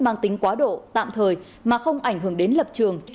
mang tính quá độ tạm thời mà không ảnh hưởng đến lập trường